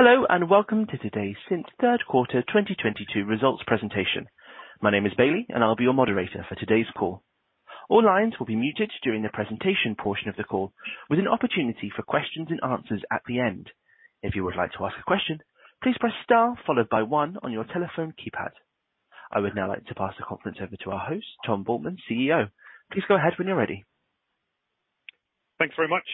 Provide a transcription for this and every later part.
Hello, and welcome to today's Cint third quarter 2022 results presentation. My name is Bailey, and I'll be your moderator for today's call. All lines will be muted during the presentation portion of the call, with an opportunity for questions and answers at the end. If you would like to ask a question, please press star followed by one on your telephone keypad. I would now like to pass the conference over to our host, Tom Buehlmann, CEO. Please go ahead when you're ready. Thanks very much,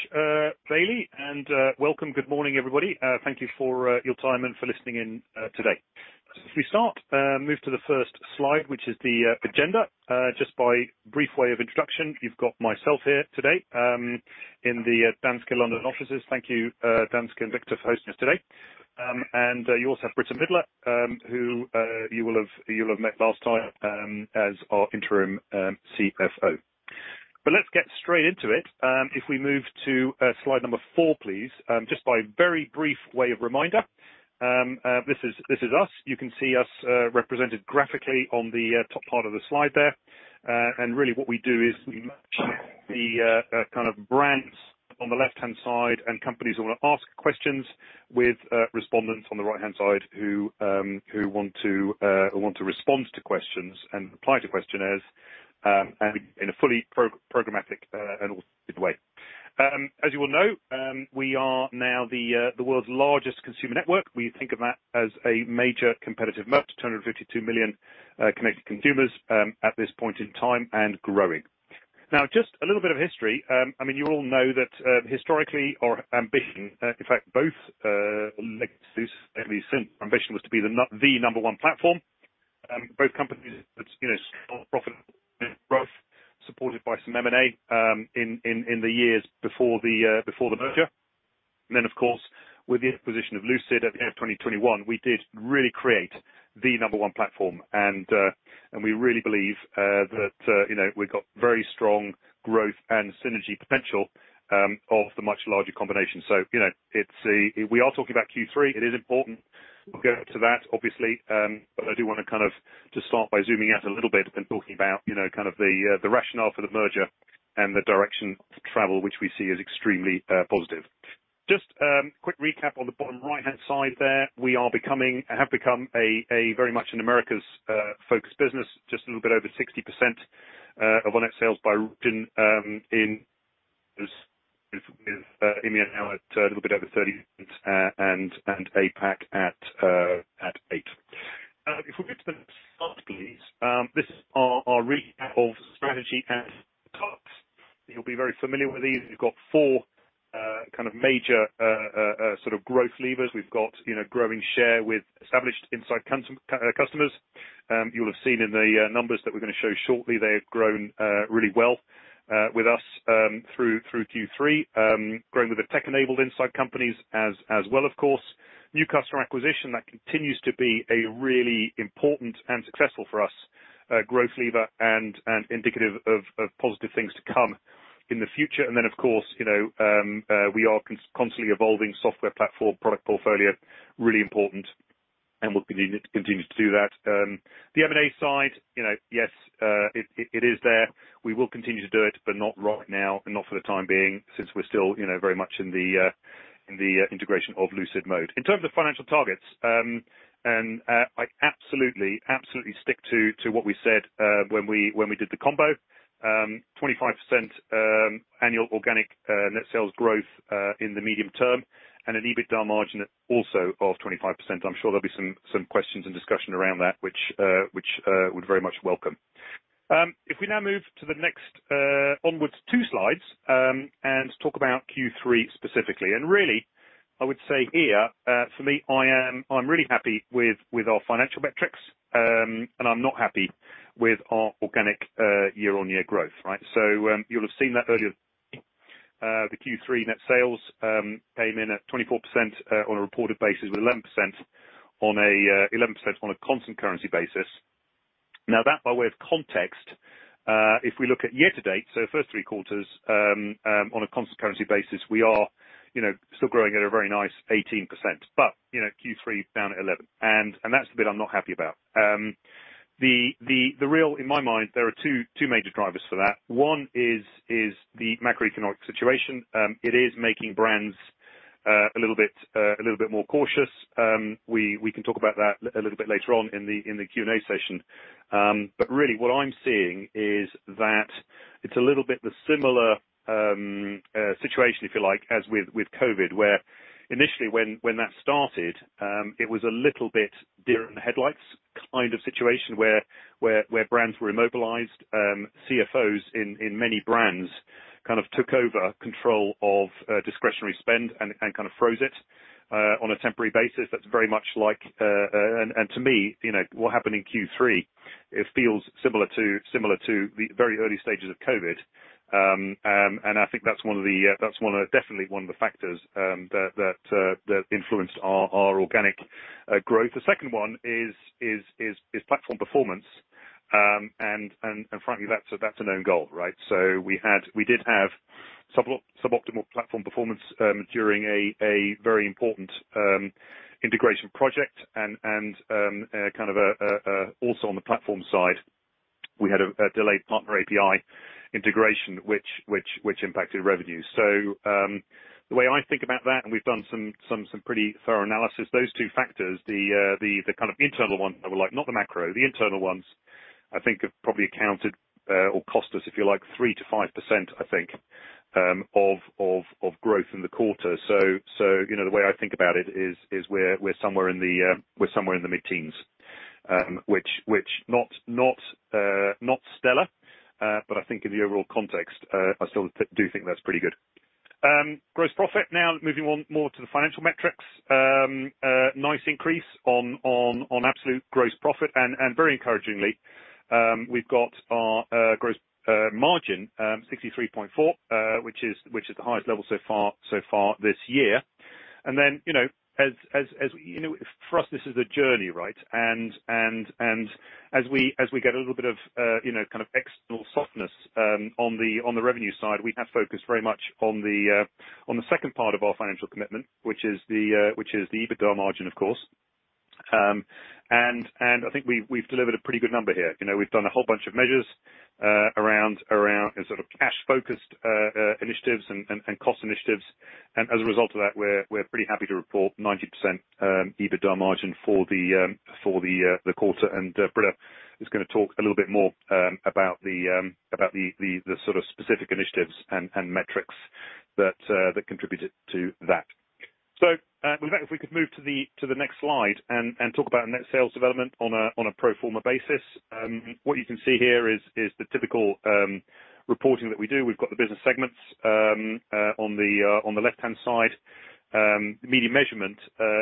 Bailey, and welcome. Good morning, everybody. Thank you for your time and for listening in today. As we start, move to the first slide, which is the agenda. Just by brief way of introduction, you've got myself here today in the Danske London offices. Thank you, Danske and Victor for hosting us today. You also have Britta Milde, who you will have met last time, as our Interim CFO. Let's get straight into it. If we move to slide number four, please. Just by very brief way of reminder, this is us. You can see us represented graphically on the top part of the slide there. Really what we do is we match the kind of brands on the left-hand side, and companies wanna ask questions with respondents on the right-hand side who want to respond to questions and reply to questionnaires, and in a fully programmatic and automated way. As you all know, we are now the world's largest consumer network. We think of that as a major competitive moat, 252 million connected consumers at this point in time, and growing. Now, just a little bit of history. I mean, you all know that historically our ambition, in fact, both Lucid and Cint ambition was to be the number one platform. Both companies, you know, strong profit growth, supported by some M&A in the years before the merger. Of course, with the acquisition of Lucid at the end of 2021, we did really create the number one platform. We really believe that you know, we've got very strong growth and synergy potential of the much larger combination. You know, it's we are talking about Q3. It is important. We'll go to that obviously. I do wanna kind of just start by zooming out a little bit and talking about you know, kind of the rationale for the merger and the direction of travel, which we see as extremely positive. Just a quick recap on the bottom right-hand side there, we have become a very much an Americas-focused business, just a little bit over 60% of our net sales by region in EMEA now at a little bit over 30%, and APAC at 8%. If we go to the start, please, this is our recap of strategy at a glance. You'll be very familiar with these. You've got four kind of major sort of growth levers. We've got, you know, growing share with established insight customers. You'll have seen in the numbers that we're gonna show shortly, they have grown really well with us through Q3. Growing with the tech-enabled insight companies as well, of course. New customer acquisition, that continues to be a really important and successful for us, growth lever and indicative of positive things to come in the future. Then of course, we are constantly evolving software platform product portfolio, really important, and we'll continue to do that. The M&A side, yes, it is there. We will continue to do it, but not right now and not for the time being since we're still very much in the integration of Lucid. In terms of financial targets, I absolutely stick to what we said when we did the combo. 25% annual organic net sales growth in the medium term and an EBITDA margin also of 25%. I'm sure there'll be some questions and discussion around that which we'd very much welcome. If we now move onward to the next two slides and talk about Q3 specifically. Really, I would say here for me, I'm really happy with our financial metrics and I'm not happy with our organic year-on-year growth, right? You'll have seen that earlier. The Q3 net sales came in at 24 on a reported basis, with 11% on a constant currency basis. Now that by way of context, if we look at year to date, so first three quarters on a constant currency basis, we are you know still growing at a very nice 18%. You know, Q3 down at 11%, and that's the bit I'm not happy about. In my mind, there are two major drivers for that. One is the macroeconomic situation. It is making brands a little bit more cautious. We can talk about that a little bit later on in the Q&A session. But really what I'm seeing is that it's a little bit similar situation, if you like, as with COVID, where initially when that started, it was a little bit deer in the headlights kind of situation where brands were immobilized. CFOs in many brands kind of took over control of discretionary spend and kind of froze it on a temporary basis. That's very much like, to me, you know, what happened in Q3. It feels similar to the very early stages of COVID. I think that's definitely one of the factors that influenced our organic growth. The second one is platform performance. Frankly, that's a known goal, right? We did have suboptimal platform performance during a very important integration project, and also on the platform side we had a delayed partner API integration which impacted revenue. The way I think about that, and we've done some pretty thorough analysis, those two factors, the kind of internal one, like not the macro, the internal ones, I think have probably accounted or cost us, if you like, 3%-5%, I think, of growth in the quarter. You know, the way I think about it is, we're somewhere in the mid-teens, which not stellar, but I think in the overall context, I still do think that's pretty good. Gross profit. Now, moving on more to the financial metrics. A nice increase on absolute gross profit, and very encouragingly, we've got our gross margin 63.4%, which is the highest level so far this year. You know, for us, this is a journey, right? As we get a little bit of you know kind of external softness on the revenue side, we have focused very much on the second part of our financial commitment, which is the EBITDA margin, of course. I think we've delivered a pretty good number here. You know, we've done a whole bunch of measures around sort of cash-focused initiatives and cost initiatives. As a result of that, we're pretty happy to report 90% EBITDA margin for the quarter. Britta is gonna talk a little bit more about the sort of specific initiatives and metrics that contributed to that. In fact, if we could move to the next slide and talk about net sales development on a pro forma basis. What you can see here is the typical reporting that we do. We've got the business segments on the left-hand side. Media measurement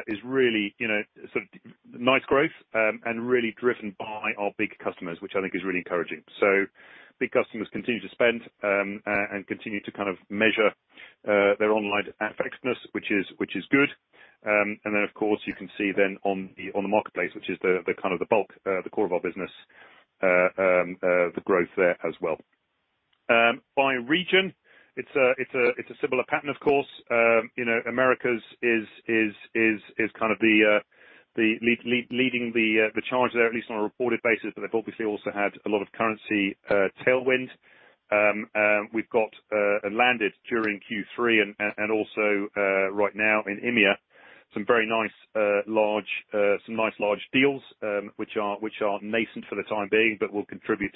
is really, you know, sort of nice growth and really driven by our big customers, which I think is really encouraging. Big customers continue to spend and continue to kind of measure their online effectiveness, which is good. Of course, you can see then on the marketplace, which is the kind of the bulk, the core of our business, the growth there as well. By region, it's a similar pattern, of course. You know, Americas is kind of leading the charge there, at least on a reported basis, but they've obviously also had a lot of currency tailwind. We've got and landed during Q3 and also right now in EMEA some very nice large deals which are nascent for the time being but will contribute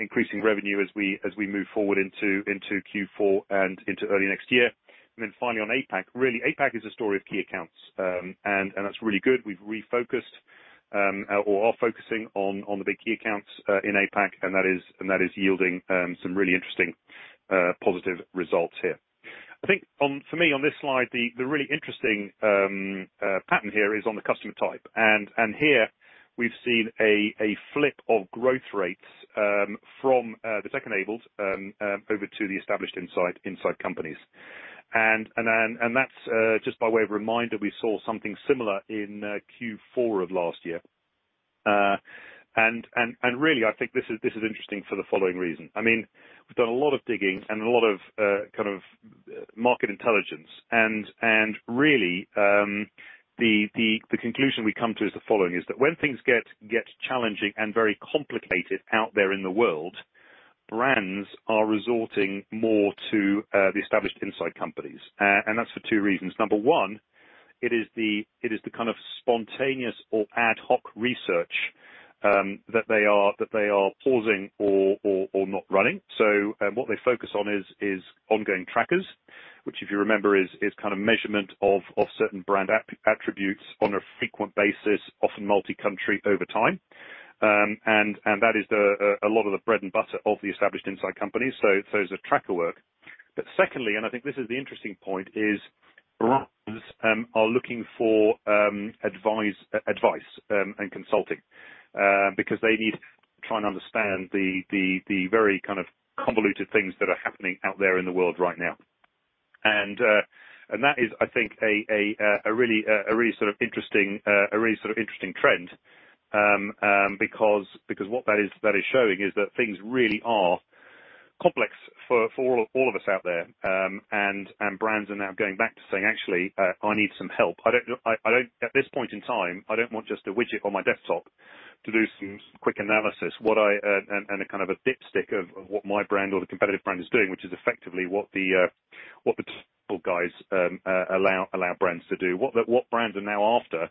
increasing revenue as we move forward into Q4 and into early next year. Finally, on APAC. Really, APAC is a story of key accounts and that's really good. We've refocused or are focusing on the big key accounts in APAC, and that is yielding some really interesting positive results here. I think for me, on this slide, the really interesting pattern here is on the customer type. Here we've seen a flip of growth rates from the tech-enabled over to the established insights companies. Then that's just by way of reminder, we saw something similar in Q4 of last year. Really, I think this is interesting for the following reason. I mean, we've done a lot of digging and a lot of kind of market intelligence. Really, the conclusion we come to is the following, is that when things get challenging and very complicated out there in the world, brands are resorting more to the established insights companies. That's for two reasons. Number one, it is the kind of spontaneous or ad hoc research that they are pausing or not running. What they focus on is ongoing trackers, which if you remember, is kind of measurement of certain brand attributes on a frequent basis, often multi-country over time. That is a lot of the bread and butter of the established insights companies. Tracker work is. Secondly, I think this is the interesting point, brands are looking for advice and consulting because they need to try and understand the very kind of convoluted things that are happening out there in the world right now. that is, I think, a really sort of interesting trend because what that is showing is that things really are complex for all of us out there. Brands are now going back to saying, "Actually, I need some help. At this point in time, I don't want just a widget on my desktop to do some quick analysis. A kind of dipstick of what my brand or the competitive brand is doing, which is effectively what the tool guys allow brands to do. What brands are now after,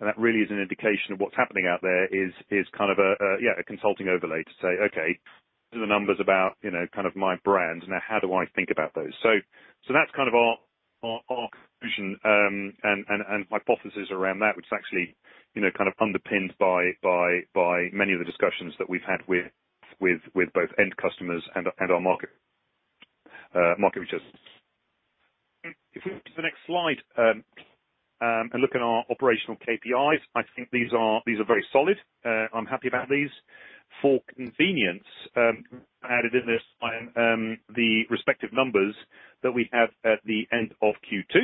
and that really is an indication of what's happening out there is kind of a consulting overlay to say, "Okay, here are the numbers about, you know, kind of my brand. Now, how do I think about those?" That's kind of our conclusion and hypothesis around that, which is actually, you know, kind of underpinned by many of the discussions that we've had with both end customers and our market researchers. If we go to the next slide and look at our operational KPIs, I think these are very solid. I'm happy about these. For convenience, I added in this one the respective numbers that we have at the end of Q2.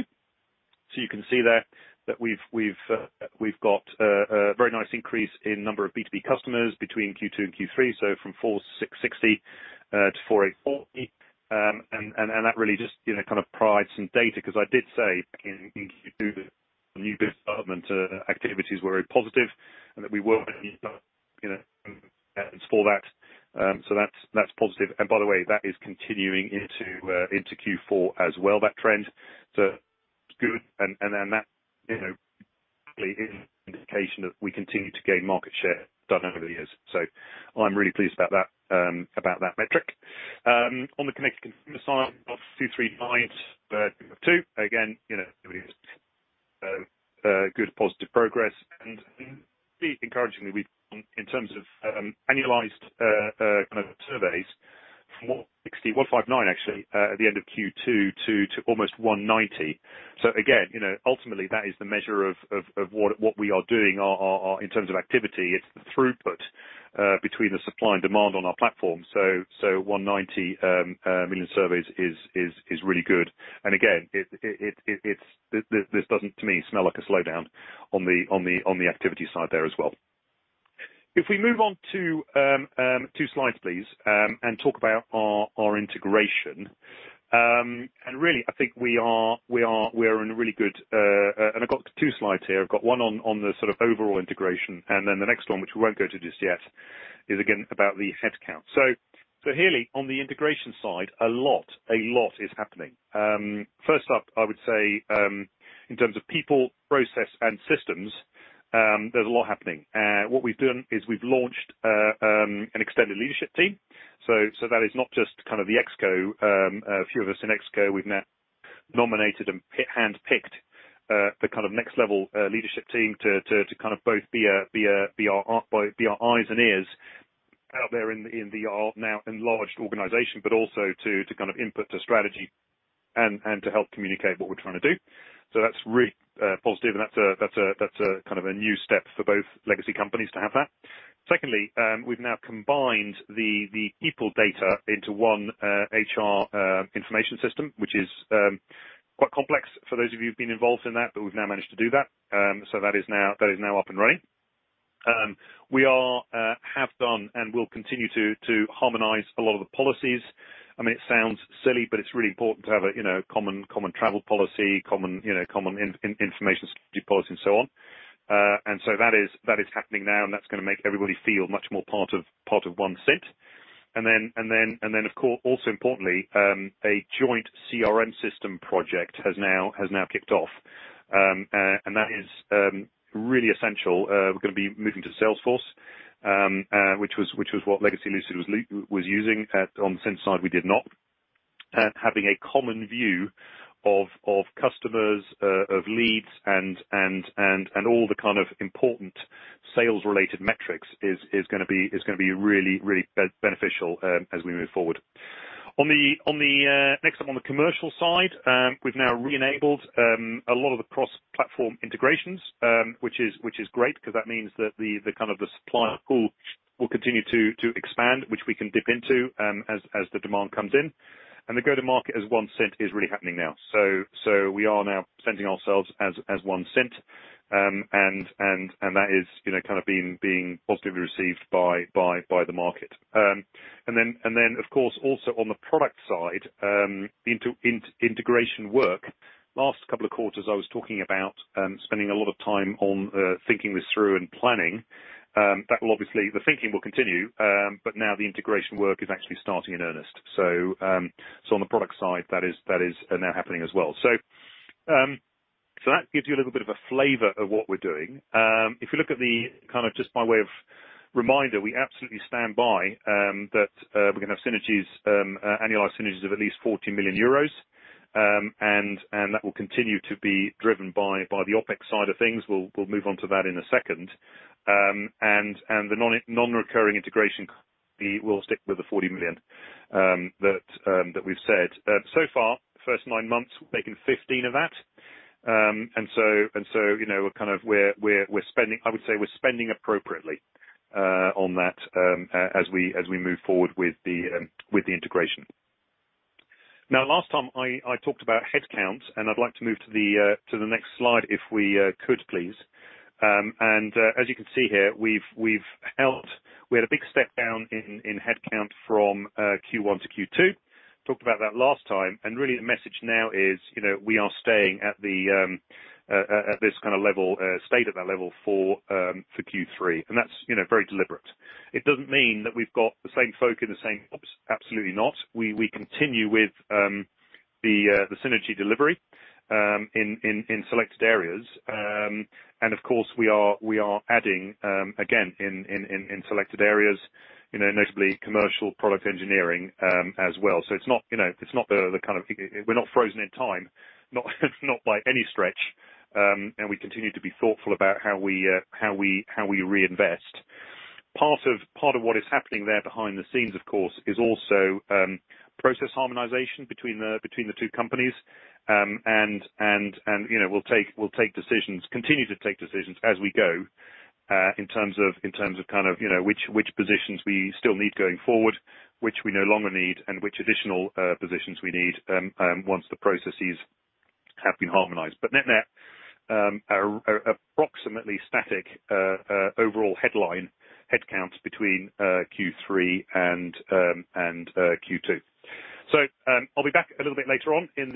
You can see there that we've got a very nice increase in number of B2B customers between Q2 and Q3, from 460 to 4,840. That really just, you know, kind of provides some data because I did say back in Q2 new business development activities were very positive and that will indicate that we continue to gain market share dynamically. I'm really pleased about that metric. On the connected consumer side, 239, too, good positive progress. Really encouragingly, in terms of annualized kind of surveys, 159 actually at the end of Q2 to almost 190. Again, you know, ultimately that is the measure of what we are doing in terms of activity. It's the throughput between the supply and demand on our platform. 190 million surveys is really good. Again, this doesn't, to me, smell like a slowdown on the activity side there as well. If we move on to two slides, please, and talk about our integration. Really, I think we are in a really good. I've got two slides here. I've got one on the sort of overall integration. The next one, which we won't go into just yet, is again about the headcount. Here Lee, on the integration side, a lot is happening. First up, I would say, in terms of people, process and systems, there's a lot happening. What we've done is we've launched an extended leadership team. That is not just kind of the ExCo. A few of us in ExCo, we've now nominated and handpicked the kind of next level leadership team to kind of both be our eyes and ears out there in the now enlarged organization, but also to kind of input to strategy and to help communicate what we're trying to do. That's really positive. That's a kind of a new step for both legacy companies to have that. Secondly, we've now combined the people data into one HR information system, which is quite complex for those of you who've been involved in that, but we've now managed to do that. That is now up and running. We have done and will continue to harmonize a lot of the policies. I mean, it sounds silly, but it's really important to have a, you know, common travel policy, common, you know, common information security policy and so on. That is happening now, and that's gonna make everybody feel much more part of one Cint. Of course, also importantly, a joint CRM system project has now kicked off. That is really essential. We're gonna be moving to Salesforce, which was what legacy Lucid was using. At, on the Cint side, we did not. Having a common view of customers, of leads and all the kind of important sales related metrics is gonna be really beneficial as we move forward. Next up on the commercial side, we've now re-enabled a lot of the cross-platform integrations, which is great because that means that the kind of the supplier pool will continue to expand, which we can dip into as the demand comes in. The go-to-market as one Cint is really happening now. So we are now presenting ourselves as one Cint. That is, you know, kind of being positively received by the market. Then of course, also on the product side, integration work. Last couple of quarters, I was talking about spending a lot of time on thinking this through and planning. That will obviously, the thinking will continue, but now the integration work is actually starting in earnest. On the product side, that is now happening as well. That gives you a little bit of a flavor of what we're doing. If you look at the kind of just by way of reminder, we absolutely stand by that we're gonna have synergies, annualized synergies of at least 40 million euros. That will continue to be driven by the OpEx side of things. We'll move on to that in a second. The non-recurring integration fee will stick with the 40 million that we've said. So far, first nine months, we've made 15 of that. You know, we're kind of we're spending, I would say we're spending appropriately on that as we move forward with the integration. Now, last time I talked about headcount, and I'd like to move to the next slide, if we could, please. As you can see here, we've held we had a big step down in headcount from Q1 to Q2. Talked about that last time. Really the message now is, you know, we are staying at this kinda level, stayed at that level for Q3, and that's, you know, very deliberate. It doesn't mean that we've got the same folk in the same jobs. Absolutely not. We continue with the synergy delivery in selected areas. Of course we are adding again in selected areas, you know, notably commercial product engineering, as well. It's not, you know. We're not frozen in time, not by any stretch. We continue to be thoughtful about how we reinvest. Part of what is happening there behind the scenes, of course, is also process harmonization between the two companies. You know, we'll take decisions, continue to take decisions as we go in terms of kind of you know which positions we still need going forward, which we no longer need, and which additional positions we need once the processes have been harmonized. Net net, approximately static overall headline headcounts between Q3 and Q2. I'll be back a little bit later on in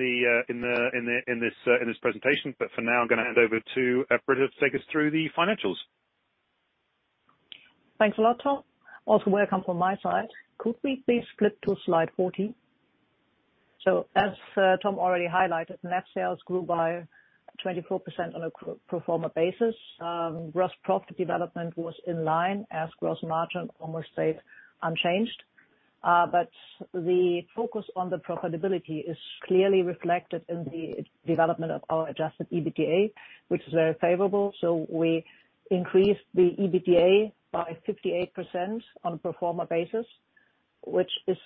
this presentation. For now, I'm gonna hand over to Britta to take us through the financials. Thanks a lot, Tom. Also, welcome from my side. Could we please flip to slide 14? As Tom already highlighted, net sales grew by 24% on a pro forma basis. Gross profit development was in line as gross margin almost stayed unchanged. The focus on the profitability is clearly reflected in the development of our adjusted EBITDA, which is very favorable. We increased the EBITDA by 58% on a pro forma basis, which is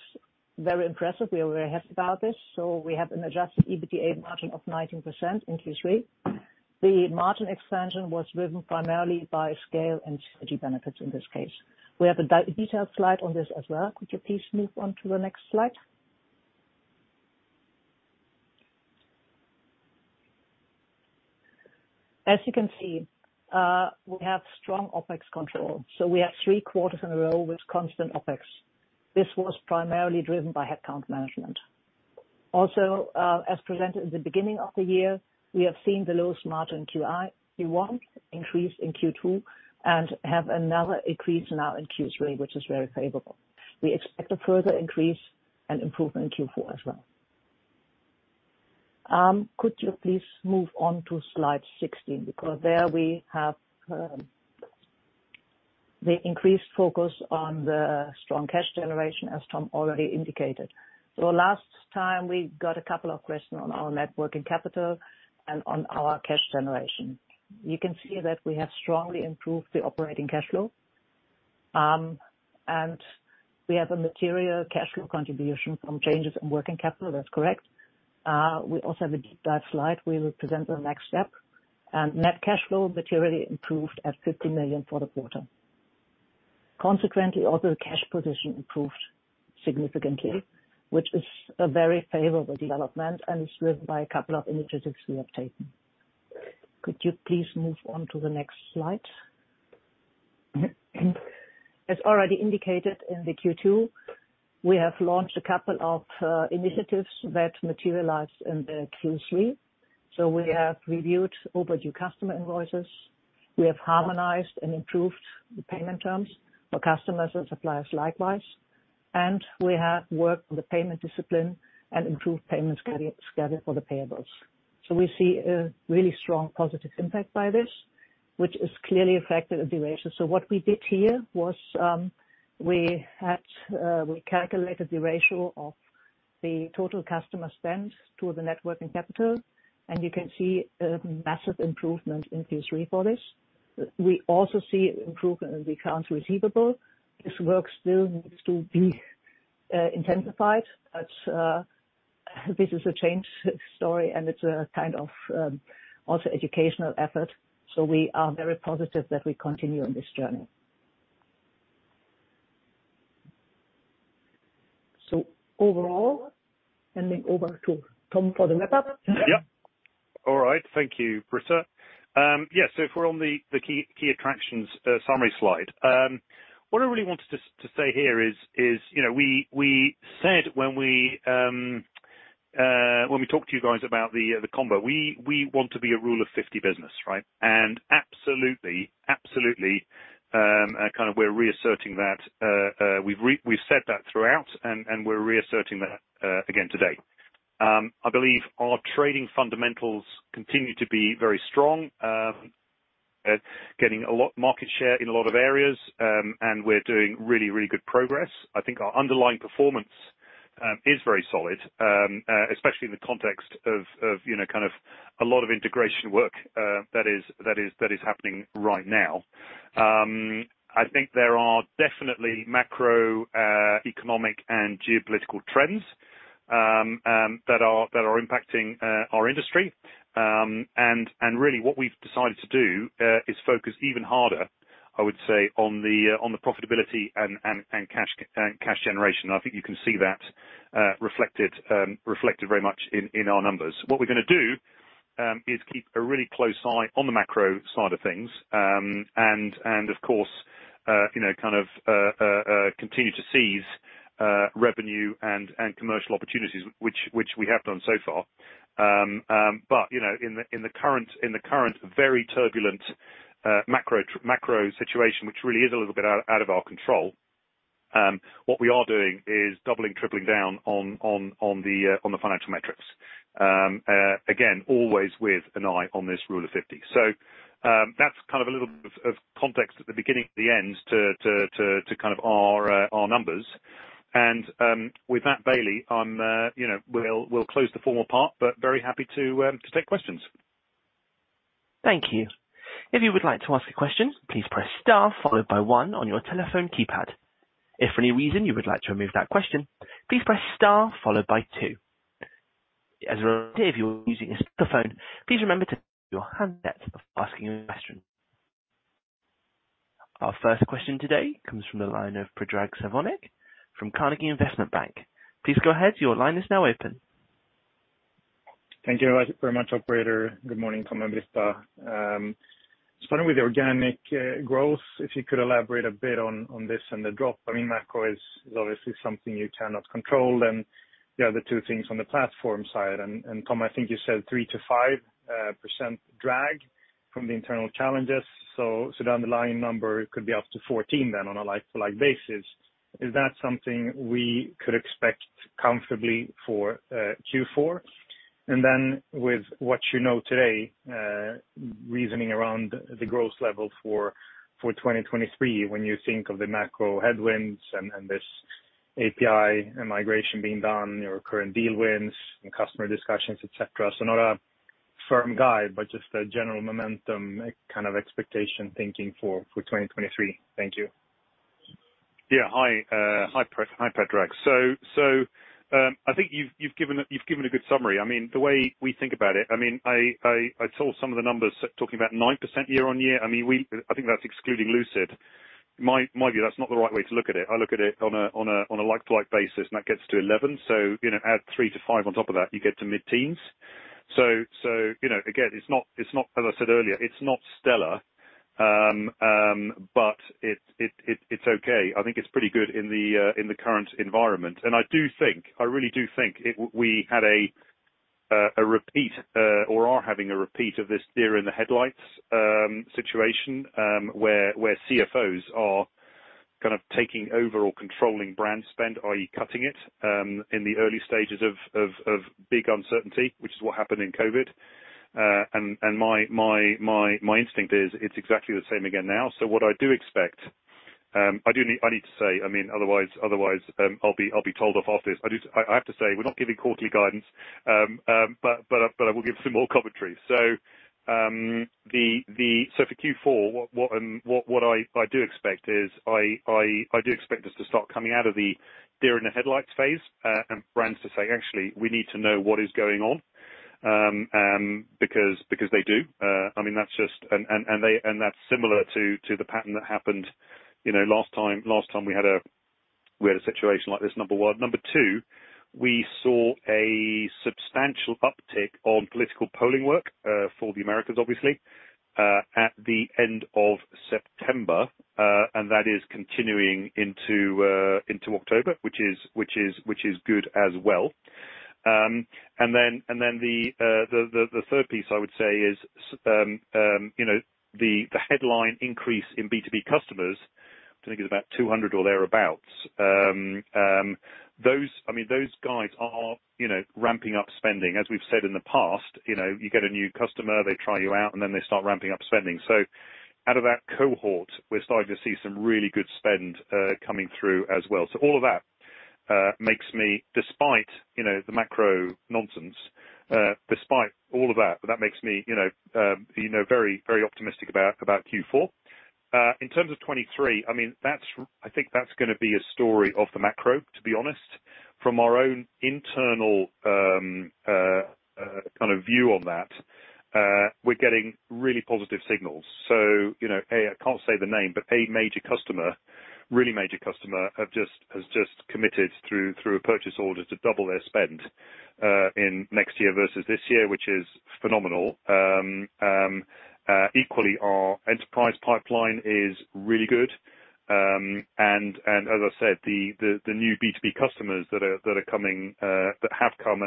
very impressive. We are very happy about this. We have an adjusted EBITDA margin of 19% in Q3. The margin expansion was driven primarily by scale and synergy benefits in this case. We have a detailed slide on this as well. Could you please move on to the next slide? As you can see, we have strong OpEx control, so we have three quarters in a row with constant OpEx. This was primarily driven by headcount management. Also, as presented at the beginning of the year, we have seen the low margin Q1 increase in Q2, and have another increase now in Q3, which is very favorable. We expect a further increase and improvement in Q4 as well. Could you please move on to slide 16? Because there we have the increased focus on the strong cash generation, as Tom already indicated. Last time, we got a couple of questions on our net working capital and on our cash generation. You can see that we have strongly improved the operating cash flow, and we have a material cash flow contribution from changes in working capital. That's correct. We also have a deep dive slide. We will present the next step. Net cash flow materially improved at 50 million for the quarter. Consequently, also, the cash position improved significantly, which is a very favorable development and is driven by a couple of initiatives we have taken. Could you please move on to the next slide? As already indicated in the Q2, we have launched a couple of initiatives that materialized in the Q3. We have reviewed overdue customer invoices, we have harmonized and improved the payment terms for customers and suppliers likewise. We have worked on the payment discipline and improved payment schedule for the payables. We see a really strong positive impact by this, which has clearly affected the ratio. What we did here was, we had, we calculated the ratio of the total customer spend to the net working capital, and you can see a massive improvement in Q3 for this. We also see improvement in the accounts receivable. This work still needs to be intensified, but this is a change story, and it's a kind of also educational effort. We are very positive that we continue on this journey. Overall, handing over to Tom for the wrap-up. Yep. All right. Thank you, Britta. Yeah, so if we're on the key attractions summary slide. What I really wanted to say here is, you know, we said when we talked to you guys about the combo, we want to be a Rule of 50 business, right? Absolutely, kind of we're reasserting that. We've said that throughout, and we're reasserting that again today. I believe our trading fundamentals continue to be very strong. Getting a lot of market share in a lot of areas, and we're doing really good progress. I think our underlying performance is very solid, especially in the context of, you know, kind of a lot of integration work that is happening right now. I think there are definitely macroeconomic and geopolitical trends that are impacting our industry. Really what we've decided to do is focus even harder, I would say, on the profitability and cash generation. I think you can see that reflected very much in our numbers. What we're gonna do is keep a really close eye on the macro side of things, and of course, you know, kind of continue to seize revenue and commercial opportunities, which we have done so far. You know, in the current very turbulent macro situation, which really is a little bit out of our control, what we are doing is doubling, tripling down on the financial metrics. Again, always with an eye on this Rule of 50. That's kind of a little bit of context at the beginning, the end to kind of our numbers. With that, Bailey, I'm, you know, we'll close the formal part, but very happy to take questions. Thank you. If you would like to ask a question, please press star followed by one on your telephone keypad. If for any reason you would like to remove that question, please press star followed by two. As a reminder, if you are using a speakerphone, please remember to mute your handset before asking a question. Our first question today comes from the line of Predrag Savinovic from Carnegie Investment Bank. Please go ahead. Your line is now open. Thank you very much, operator. Good morning, Tom and Britta. Starting with the organic growth, if you could elaborate a bit on this and the drop. I mean, macro is obviously something you cannot control, and the other two things from the platform side. Tom, I think you said 3%-5% drag from the internal challenges. The underlying number could be up to 14% then on a like-for-like basis. Is that something we could expect comfortably for Q4? Then with what you know today, reasoning around the growth level for 2023, when you think of the macro headwinds and this API and migration being done, your current deal wins and customer discussions, et cetera. Not a firm guide, but just a general momentum kind of expectation thinking for 2023. Thank you. Hi, Predrag Savinovic. I think you've given a good summary. I mean, the way we think about it, I mean, I saw some of the numbers talking about 9% year-on-year. I mean, I think that's excluding Lucid. My view, that's not the right way to look at it. I look at it on a like-for-like basis, and that gets to 11%. You know, add three to five on top of that, you get to mid-teens. You know, again, it's not, as I said earlier, it's not stellar, but it's okay. I think it's pretty good in the current environment. I really do think that we had a repeat or are having a repeat of this deer in the headlights situation where CFOs are kind of taking over or controlling brand spend, i.e., cutting it in the early stages of big uncertainty, which is what happened in COVID. My instinct is it's exactly the same again now. What I do expect I need to say, I mean, otherwise I'll be told off after this. I have to say, we're not giving quarterly guidance, but I will give some more commentary. For Q4, what I do expect is to start coming out of the deer in the headlights phase, and brands to say, "Actually, we need to know what is going on." Because they do. I mean, that's just. That's similar to the pattern that happened, you know, last time we had a situation like this, number one. Number two, we saw a substantial uptick on political polling work for the Americans obviously at the end of September, and that is continuing into October, which is good as well. The third piece I would say is, you know, the headline increase in B2B customers. I think it's about 200 or thereabouts. I mean, those guys are, you know, ramping up spending. As we've said in the past, you know, you get a new customer, they try you out, and then they start ramping up spending. Out of that cohort, we're starting to see some really good spend coming through as well. All of that makes me, despite, you know, the macro nonsense, despite all of that makes me, you know, very, very optimistic about Q4. In terms of 2023, I mean, I think that's gonna be a story of the macro, to be honest. From our own internal, kind of view on that, we're getting really positive signals. You know, A, I can't say the name, but a major customer, really major customer, has just committed through a purchase order to double their spend in next year versus this year, which is phenomenal. Equally our enterprise pipeline is really good. As I said, the new B2B customers that have come and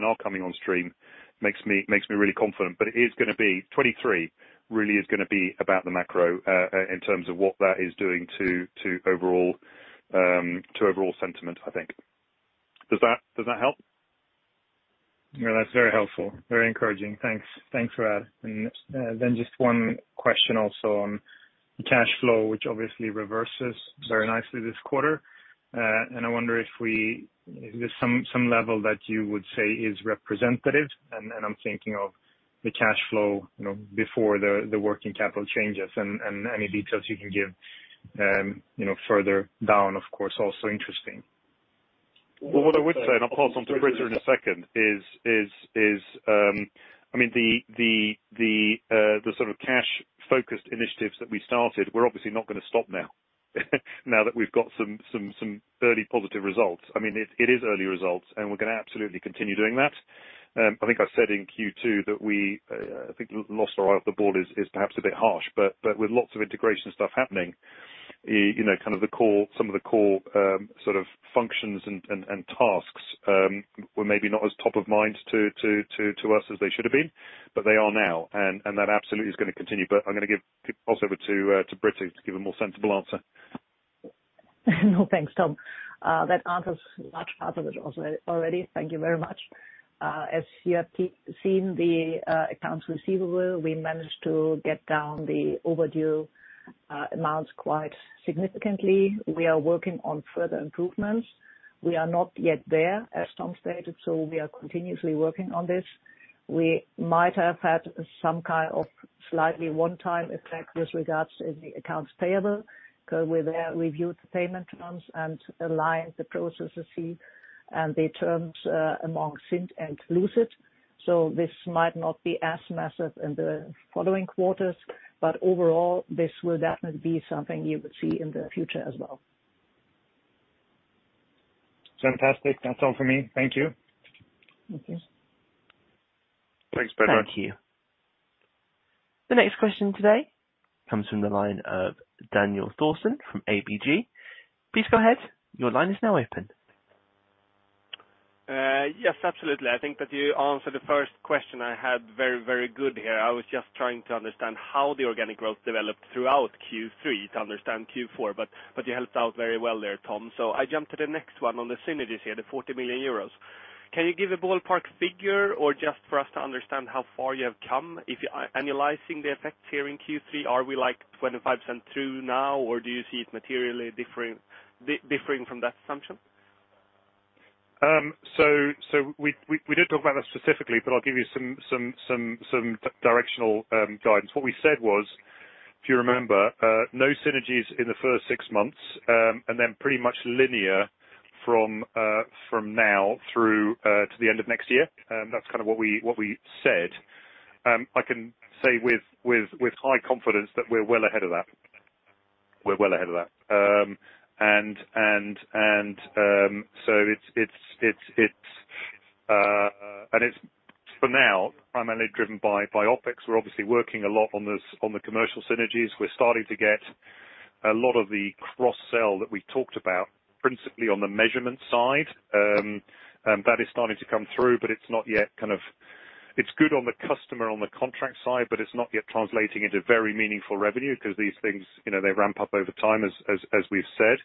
are coming on stream makes me really confident. It is gonna be 2023 really is gonna be about the macro in terms of what that is doing to overall sentiment, I think. Does that help? Yeah, that's very helpful, very encouraging. Thanks. Thanks for that. Just one question also on cash flow, which obviously reverses very nicely this quarter. I wonder if there's some level that you would say is representative. I'm thinking of the cash flow, you know, before the working capital changes and any details you can give, you know, further down, of course, also interesting. Well, what I would say, and I'll pass on to Britta in a second, is I mean, the sort of cash-focused initiatives that we started. We're obviously not gonna stop now that we've got some early positive results. I mean, it is early results, and we're gonna absolutely continue doing that. I think I said in Q2 that we, I think, took our eye off the ball is perhaps a bit harsh, but with lots of integration stuff happening, you know, kind of the core, some of the core sort of functions and tasks were maybe not as top of mind to us as they should have been, but they are now. That absolutely is gonna continue. I'm gonna give pass over to Britta to give a more sensible answer. No, thanks, Tom. That answers a large part of it also already. Thank you very much. As you have seen the accounts receivable, we managed to get down the overdue amounts quite significantly. We are working on further improvements. We are not yet there, as Tom stated, so we are continuously working on this. We might have had some kind of slightly one-time effect with regard to the accounts payable, because we reviewed the payment terms and aligned the processes and the terms among Cint and Lucid. This might not be as massive in the following quarters, but overall, this will definitely be something you will see in the future as well. Fantastic. That's all for me. Thank you. Thank you. Thanks, Predrag Savinovic. Thank you. The next question today comes from the line of Daniel Thorsson from ABG. Please go ahead. Your line is now open. Yes, absolutely. I think that you answered the first question I had very, very good here. I was just trying to understand how the organic growth developed throughout Q3 to understand Q4, but you helped out very well there, Tom. I jump to the next one on the synergies here, the 40 million euros. Can you give a ballpark figure, or just for us to understand how far you have come if you are annualizing the effect here in Q3? Are we like 25% through now, or do you see it materially differing from that assumption? We did talk about that specifically, but I'll give you some directional guidance. What we said was, if you remember, no synergies in the first six months, and then pretty much linear from now through to the end of next year. That's kind of what we said. I can say with high confidence that we're well ahead of that. It's for now, primarily driven by OpEx. We're obviously working a lot on this, on the commercial synergies. We're starting to get a lot of the cross-sell that we talked about, principally on the measurement side. That is starting to come through. It's good on the customer, on the contract side, but it's not yet translating into very meaningful revenue because these things, you know, they ramp up over time as we've said.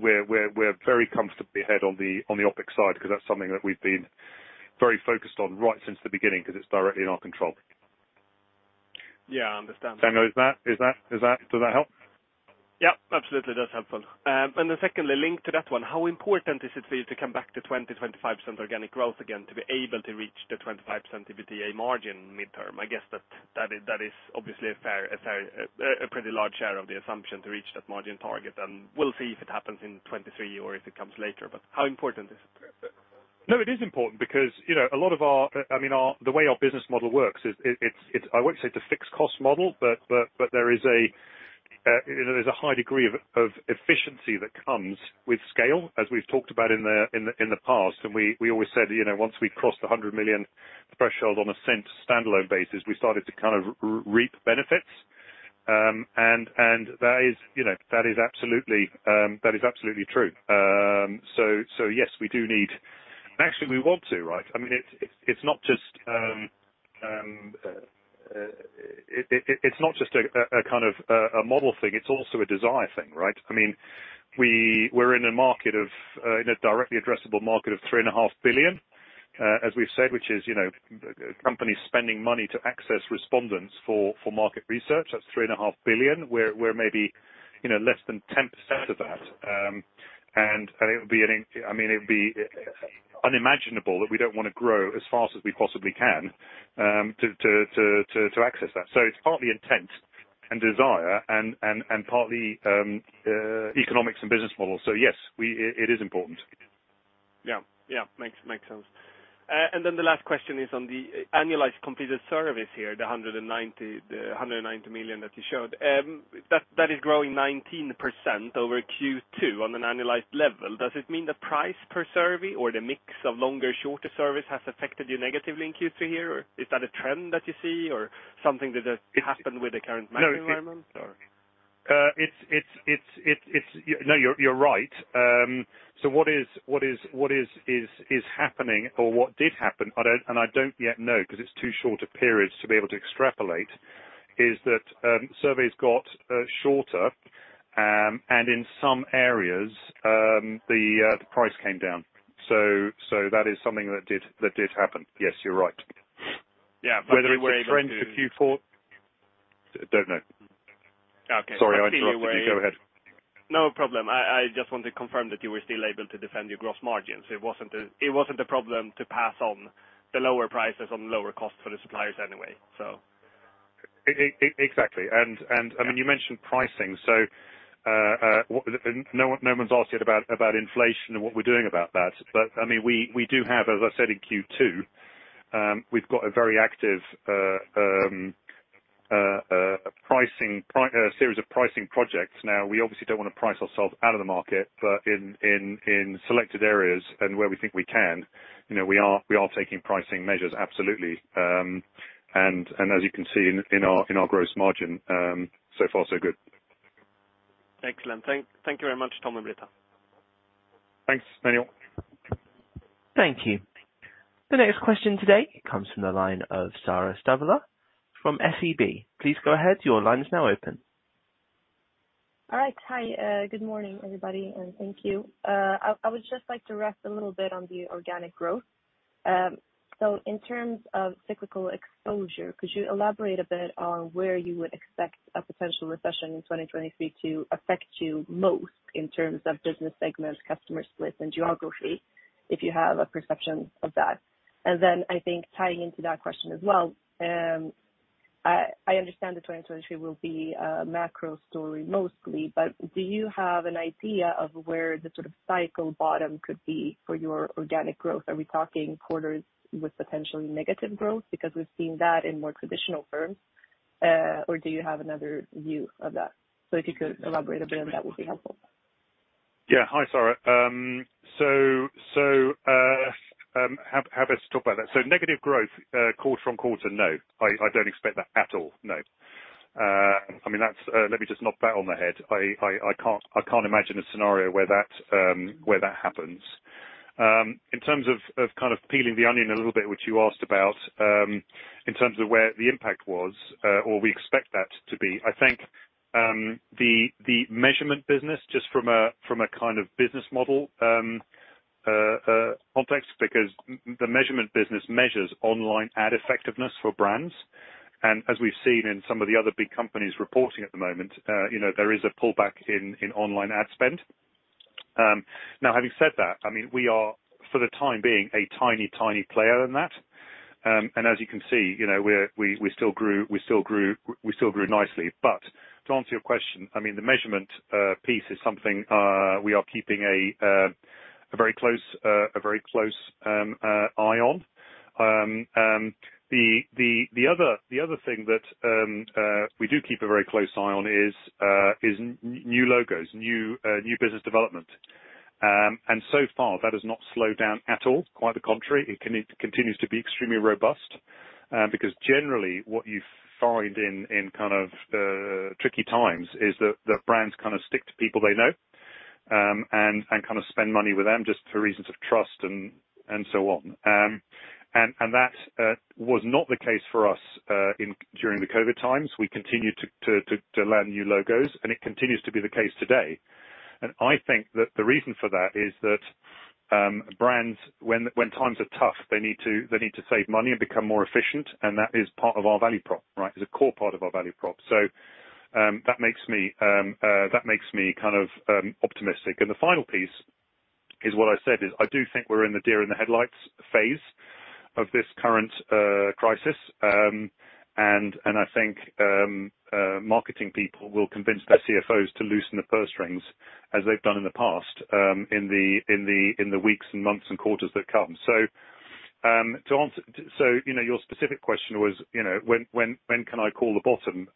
We're very comfortably ahead on the OpEx side because that's something that we've been very focused on right since the beginning because it's directly in our control. Yeah, I understand that. Daniel, does that help? Yeah, absolutely, that's helpful. Secondly, linked to that one, how important is it for you to come back to 25% organic growth again to be able to reach the 25% EBITDA margin midterm? I guess that is obviously a fair, pretty large share of the assumption to reach that margin target. We'll see if it happens in 2023 or if it comes later. How important is it? No, it is important because, you know, a lot of our, I mean, the way our business model works is, it's, I wouldn't say it's a fixed cost model, but there is a, you know, there's a high degree of efficiency that comes with scale, as we've talked about in the past. We always said, you know, once we crossed the 100 million threshold on Ascend standalone basis, we started to kind of reap benefits. That is absolutely true. Yes, we do need. Actually we want to, right? I mean, it's not just a kind of a model thing, it's also a desire thing, right? I mean, we're in a market of, in a directly addressable market of 3.5 billion, as we've said, which is, you know, companies spending money to access respondents for market research. That's 3.5 billion. We're maybe, you know, less than 10% of that. I mean, it would be unimaginable that we don't wanna grow as fast as we possibly can, to access that. It's partly intent and desire and partly economics and business models. Yes, it is important. Yeah. Makes sense. The last question is on the annualized completed surveys here, the 190 million that you showed. That is growing 19% over Q2 on an annualized level. Does it mean the price per survey or the mix of longer, shorter surveys has affected you negatively in Q3 here, or is that a trend that you see or something that has happened with the current market environment, or? It's. No, you're right. What is happening or what did happen, I don't yet know because it's too short a period to be able to extrapolate, is that surveys got shorter and in some areas the price came down. That is something that did happen. Yes, you're right. Yeah Whether it's a trend to queue for, don't know. Okay Sorry, I interrupted you. Go ahead. No problem. I just want to confirm that you were still able to defend your gross margins. It wasn't a problem to pass on the lower prices on lower costs for the suppliers anyway. Exactly. I mean, you mentioned pricing. No one, no one's asked yet about inflation and what we're doing about that. I mean, we do have, as I said in Q2, we've got a very active series of pricing projects. Now, we obviously don't wanna price ourselves out of the market, but in selected areas and where we think we can, you know, we are taking pricing measures absolutely. As you can see in our gross margin, so far so good. Excellent. Thank you very much, Tom Buehlmann and Britta Mittler. Thanks, Daniel. Thank you. The next question today comes from the line of Sara Ståhl from SEB. Please go ahead. Your line is now open. All right. Hi, good morning, everybody, and thank you. I would just like to rest a little bit on the organic growth. So in terms of cyclical exposure, could you elaborate a bit on where you would expect a potential recession in 2023 to affect you most in terms of business segments, customer splits and geography, if you have a perception of that? I think tying into that question as well, I understand that 2023 will be a macro story mostly, but do you have an idea of where the sort of cycle bottom could be for your organic growth? Are we talking quarters with potentially negative growth? Because we've seen that in more traditional firms. Do you have another view of that? If you could elaborate a bit, that would be helpful. Yeah. Hi, Sara. How about let's talk about that. Negative growth quarter-on-quarter, no. I don't expect that at all, no. I mean, that's, let me just knock that on the head. I can't imagine a scenario where that happens. In terms of kind of peeling the onion a little bit, which you asked about, in terms of where the impact was, or we expect that to be, I think, the measurement business, just from a kind of business model context, because the measurement business measures online ad effectiveness for brands. As we've seen in some of the other big companies reporting at the moment, you know, there is a pullback in online ad spend. Now having said that, I mean, we are, for the time being, a tiny player in that. As you can see, you know, we still grew nicely. To answer your question, I mean, the measurement piece is something we are keeping a very close eye on. The other thing that we do keep a very close eye on is new logos, new business development. So far, that has not slowed down at all. Quite the contrary. It continues to be extremely robust. Because generally, what you find in kind of tricky times is that brands kind of stick to people they know, and kind of spend money with them just for reasons of trust and so on. That was not the case for us during the COVID times. We continued to land new logos, and it continues to be the case today. I think that the reason for that is that brands, when times are tough, they need to save money and become more efficient, and that is part of our value prop, right? It's a core part of our value prop. That makes me kind of optimistic. The final piece is what I said is I do think we're in the deer in the headlights phase of this current crisis. I think marketing people will convince their CFOs to loosen their purse strings as they've done in the past, in the weeks and months and quarters that come. To answer. You know, your specific question was, you know, when can I call the bottom?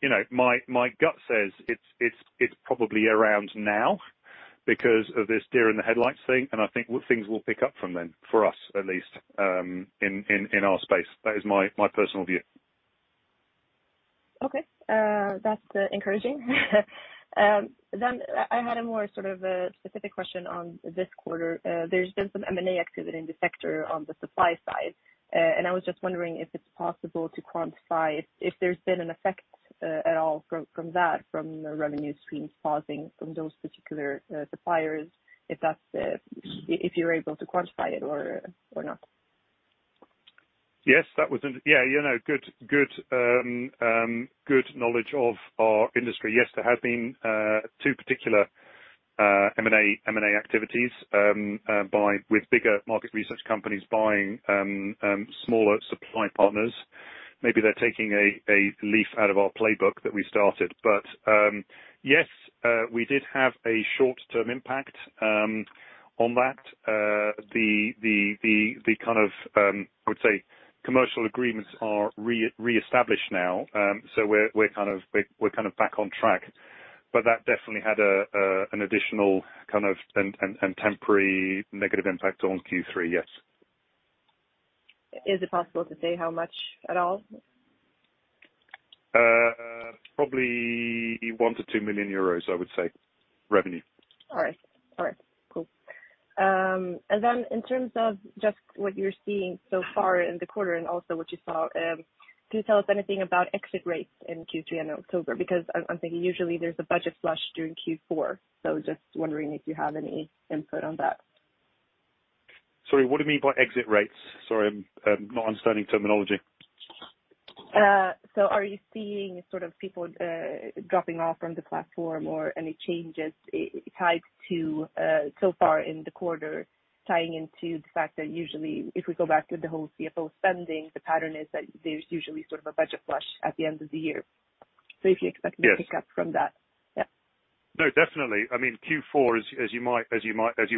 You know, my gut says it's probably around now because of this deer in the headlights thing, and I think things will pick up from then, for us at least, in our space. That is my personal view. Okay. That's encouraging. I had a more sort of a specific question on this quarter. There's been some M&A activity in the sector on the supply side, and I was just wondering if it's possible to quantify if there's been an effect at all from that, from revenue streams pausing from those particular suppliers. Mm-hmm. If you're able to quantify it or not? Yes. Yeah, you know, good knowledge of our industry. Yes, there have been two particular M&A activities by with bigger market research companies buying smaller supply partners. Maybe they're taking a leaf out of our playbook that we started. Yes, we did have a short-term impact on that. The kind of, I would say, commercial agreements are reestablished now. We're kind of back on track. That definitely had an additional kind of and temporary negative impact on Q3, yes. Is it possible to say how much at all? Probably 1 million-2 million euros, I would say, revenue. All right. Cool. In terms of just what you're seeing so far in the quarter and also what you saw, can you tell us anything about exit rates in Q3 and October? Because I'm thinking usually there's a budget flush during Q4. Just wondering if you have any input on that. Sorry, what do you mean by exit rates? Sorry, I'm not understanding terminology. Are you seeing sort of people dropping off from the platform or any changes tied to so far in the quarter tying into the fact that usually, if we go back to the whole CFO spending, the pattern is that there's usually sort of a budget flush at the end of the year. If you expect any- Yes. Pick up from that. Yeah. No, definitely. I mean, Q4 is, as you might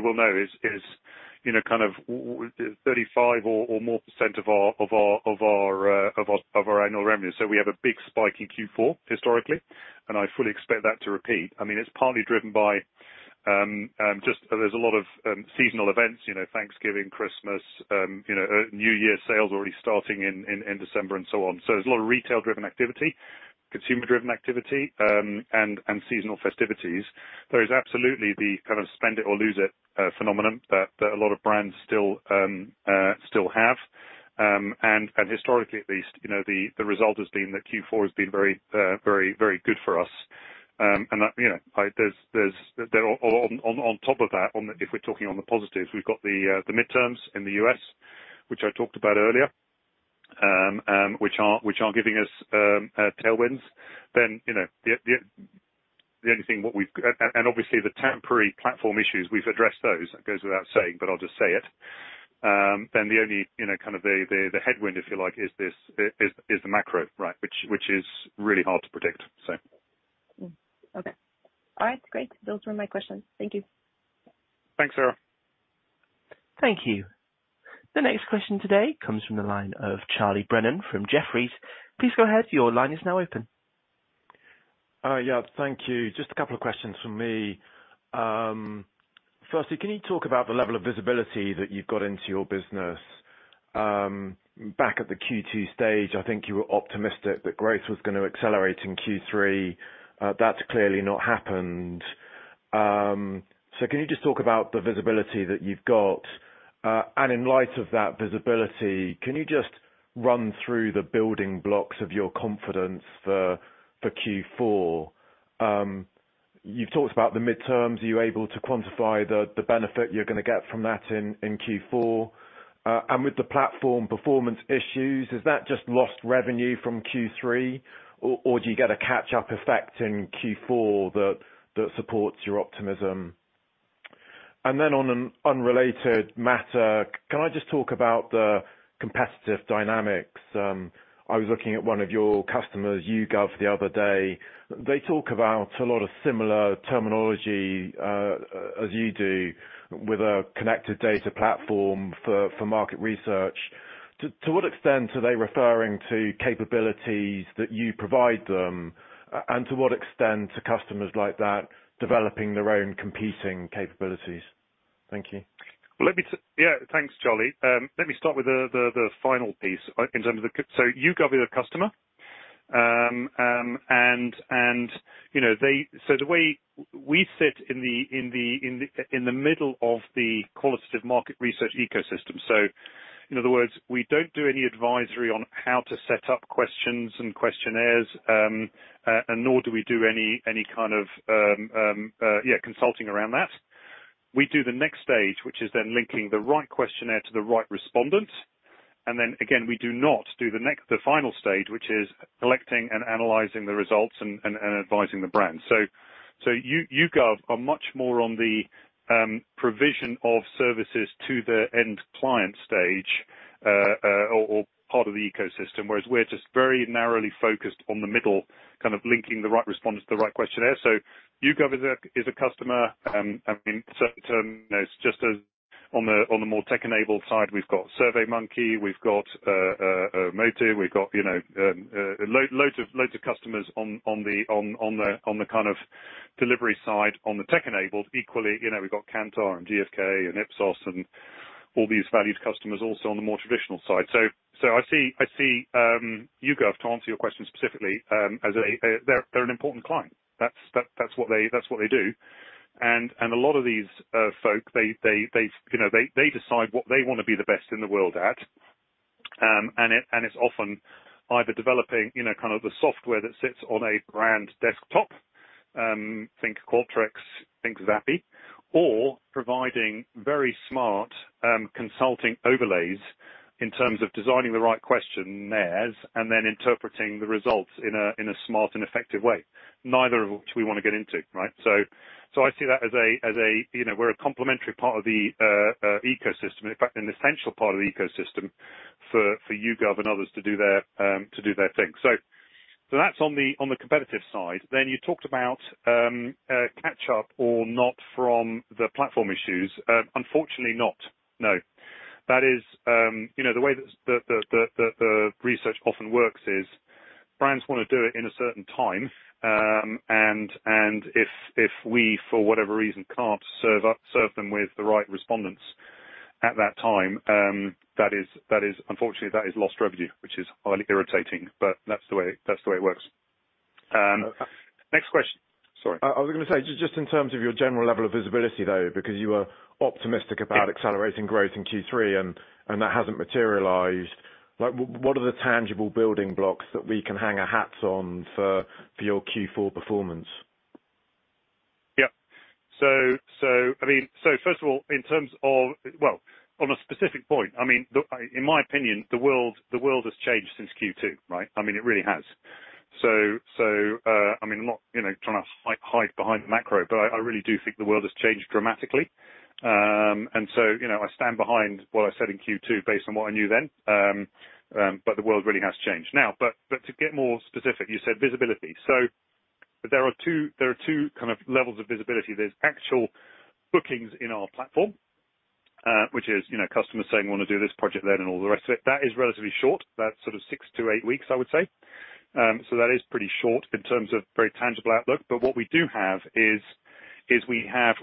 well know, you know, kind of 35% or more of our annual revenue. We have a big spike in Q4 historically, and I fully expect that to repeat. I mean, it's partly driven by just there's a lot of seasonal events, you know, Thanksgiving, Christmas, you know, New Year sales already starting in December and so on. There's a lot of retail-driven activity, consumer-driven activity, and seasonal festivities. There is absolutely the kind of spend it or lose it phenomenon that a lot of brands still have. Historically at least, you know, the result has been that Q4 has been very good for us. You know, on top of that, if we're talking on the positives, we've got the midterms in the U.S., which I talked about earlier, which are giving us tailwinds. You know, the only thing, and obviously, the temporary platform issues, we've addressed those, that goes without saying, but I'll just say it. You know, kind of the headwind, if you like, is this, the macro, right? Which is really hard to predict. Okay. All right, great. Those were my questions. Thank you. Thanks, Sara. Thank you. The next question today comes from the line of Charles Brennan from Jefferies. Please go ahead. Your line is now open. Yeah, thank you. Just a couple of questions from me. Firstly, can you talk about the level of visibility that you've got into your business? Back at the Q2 stage, I think you were optimistic that growth was gonna accelerate in Q3. That's clearly not happened. Can you just talk about the visibility that you've got? In light of that visibility, can you just run through the building blocks of your confidence for Q4? You've talked about the midterms. Are you able to quantify the benefit you're gonna get from that in Q4? With the platform performance issues, is that just lost revenue from Q3? Or do you get a catch-up effect in Q4 that supports your optimism? On an unrelated matter, can I just talk about the competitive dynamics? I was looking at one of your customers, YouGov, the other day. They talk about a lot of similar terminology as you do, with a connected data platform for market research. To what extent are they referring to capabilities that you provide them? To what extent are customers like that developing their own competing capabilities? Thank you. Well, yeah, thanks, Charlie. Let me start with the final piece in terms of the customer. YouGov are the customer, and you know, we sit in the middle of the qualitative market research ecosystem. In other words, we don't do any advisory on how to set up questions and questionnaires, and nor do we do any kind of consulting around that. We do the next stage, which is then linking the right questionnaire to the right respondent. Then again, we do not do the next, the final stage, which is collecting and analyzing the results and advising the brand. YouGov are much more on the provision of services to the end client stage, or part of the ecosystem, whereas we're just very narrowly focused on the middle, kind of linking the right response to the right questionnaire. YouGov is a customer. I mean, you know, it's just as on the more tech-enabled side, we've got SurveyMonkey, we've got Momentive, we've got, you know, loads of customers on the kind of delivery side, on the tech-enabled. Equally, you know, we've got Kantar and GfK and Ipsos and all these valued customers also on the more traditional side. I see YouGov, to answer your question specifically, as they're an important client. That's what they do. A lot of these folk, you know, they decide what they wanna be the best in the world at. It's often either developing, you know, kind of the software that sits on a brand desktop, think Qualtrics, think Zappi, or providing very smart consulting overlays in terms of designing the right questionnaires and then interpreting the results in a smart and effective way. Neither of which we wanna get into, right? I see that as a complementary part of the ecosystem, in fact, an essential part of the ecosystem for YouGov and others to do their thing. That's on the competitive side. You talked about catch up or not from the platform issues. Unfortunately not. No. That is, you know, the way that the research often works is brands wanna do it in a certain time. And if we, for whatever reason, can't serve them with the right respondents at that time, that is unfortunately lost revenue, which is highly irritating, but that's the way it works. Next question. Sorry. I was gonna say, just in terms of your general level of visibility, though, because you were optimistic about accelerating growth in Q3 and that hasn't materialized. Like, what are the tangible building blocks that we can hang our hats on for your Q4 performance? First of all, in terms of well, on a specific point, I mean, look, in my opinion, the world has changed since Q2, right? I mean, it really has. I mean, I'm not, you know, trying to hide behind the macro, but I really do think the world has changed dramatically. You know, I stand behind what I said in Q2 based on what I knew then. But the world really has changed. Now, to get more specific, you said visibility. There are two kind of levels of visibility. There's actual bookings in our platform, which is, you know, customers saying, "We wanna do this project," then and all the rest of it. That is relatively short. That's sort of 6-8 weeks, I would say. That is pretty short in terms of very tangible outlook. What we do have is we have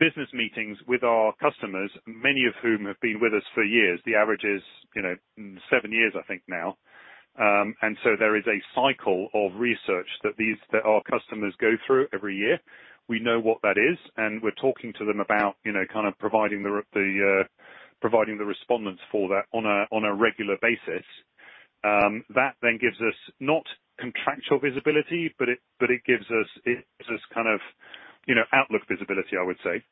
business meetings with our customers, many of whom have been with us for years. The average is, you know, 7 years I think now. There is a cycle of research that these, that our customers go through every year. We know what that is, and we're talking to them about, you know, kind of providing the respondents for that on a regular basis. That then gives us not contractual visibility, but it gives us kind of, you know, outlook visibility, I would say.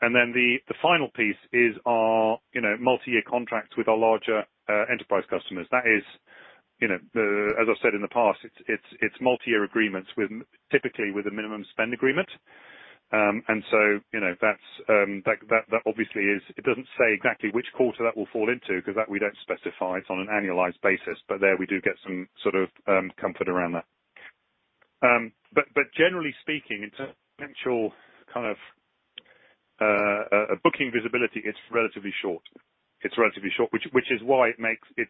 Then the final piece is our, you know, multi-year contracts with our larger enterprise customers. That is, you know, as I've said in the past, it's multi-year agreements typically with a minimum spend agreement. You know, that's that obviously. It doesn't say exactly which quarter that will fall into because that we don't specify. It's on an annualized basis. There we do get some, sort of, comfort around that. Generally speaking, in terms of potential kind of booking visibility, it's relatively short. It's relatively short, which is why it makes it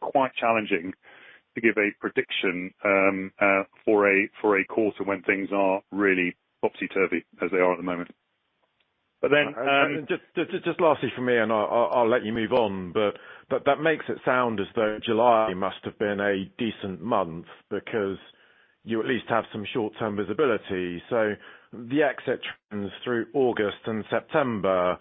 quite challenging to give a prediction for a quarter when things are really topsy-turvy as they are at the moment. Just lastly from me, and I'll let you move on, but that makes it sound as though July must have been a decent month because you at least have some short-term visibility. The exit trends through August and September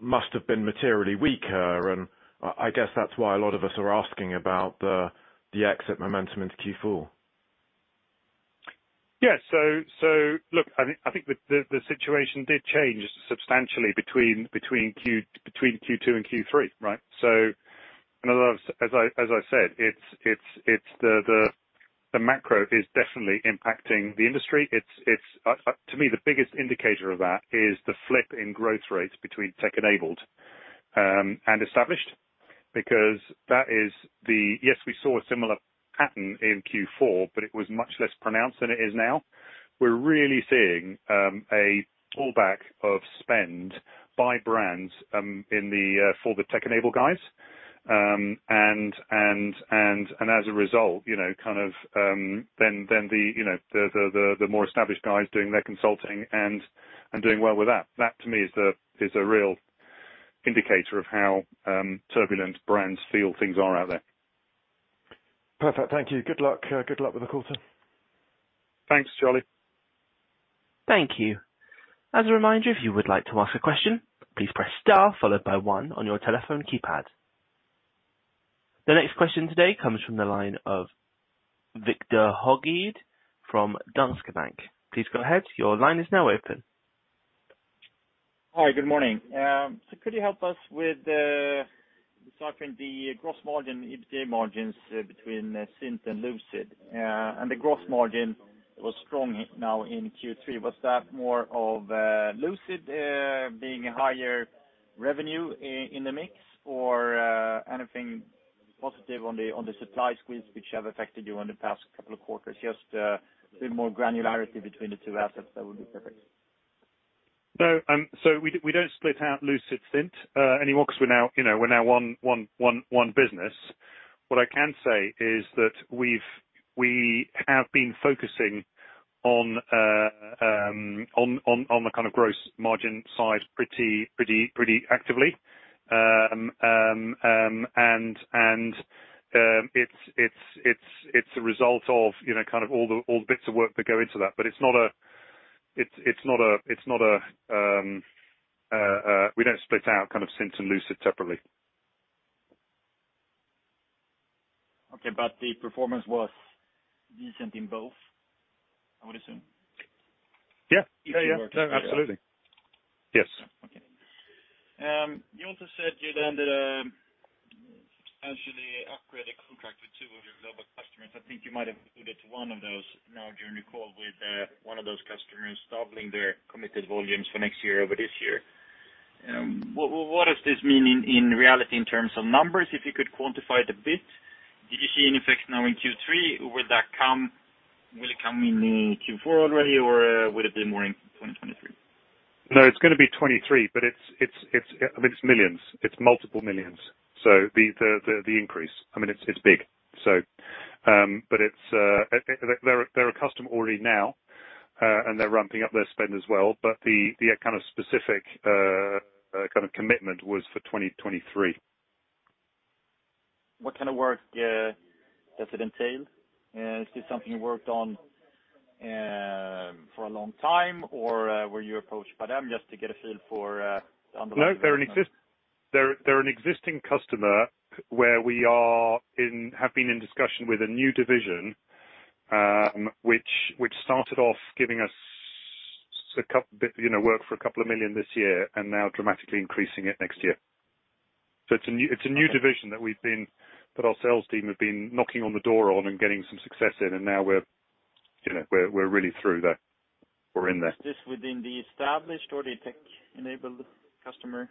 must have been materially weaker, and I guess that's why a lot of us are asking about the exit momentum into Q4. Yeah, look, I think the situation did change substantially between Q2 and Q3, right? In other words, as I said, it's the macro is definitely impacting the industry. To me, the biggest indicator of that is the flip in growth rates between tech-enabled and established. Yes, we saw a similar pattern in Q4, but it was much less pronounced than it is now. We're really seeing a pullback of spend by brands for the tech-enabled guys. As a result, you know, kind of, then the more established guys doing their consulting and doing well with that. That, to me, is a real indicator of how turbulent brands feel things are out there. Perfect. Thank you. Good luck. Good luck with the quarter. Thanks, Charlie. Thank you. As a reminder, if you would like to ask a question, please press star followed by one on your telephone keypad. The next question today comes from the line of Viktor Höglund from Danske Bank. Please go ahead. Your line is now open. Hi. Good morning. So could you help us with deciphering the gross margin, EBITDA margins, between Cint and Lucid? The gross margin was strong now in Q3. Was that more of Lucid being a higher revenue in the mix or anything positive on the supply squeeze which have affected you in the past couple of quarters? Just a bit more granularity between the two assets, that would be perfect. No. We don't split out Lucid-Cint anymore because we're now one business. What I can say is that we have been focusing on the kind of gross margin side pretty actively. It's a result of kind of all the bits of work that go into that. We don't split out kind of Cint and Lucid separately. Okay. The performance was decent in both, I would assume? Yeah. Yeah, yeah. If you were to say that. No, absolutely. Yes. Okay. You also said you landed, actually upgraded contract with two of your global customers. I think you might have alluded to one of those now during your call with one of those customers doubling their committed volumes for next year over this year. What does this mean in reality in terms of numbers? If you could quantify it a bit. Did you see any effect now in Q3, or will it come in Q4 already, or will it be more in 2023? No, it's gonna be 2023, but it's millions. It's multiple millions. The increase. I mean, it's big. They're a customer already now, and they're ramping up their spend as well. The kind of specific kind of commitment was for 2023. What kind of work does it entail? Is this something you worked on for a long time, or were you approached by them? Just to get a feel for underlying customer- No. They're an existing customer where we have been in discussion with a new division, which started off giving us 2 million this year and now dramatically increasing it next year. It's a new division that our sales team have been knocking on the door on and getting some success in, and now we're, you know, we're really through there. We're in there. Is this within the established or the tech-enabled customer?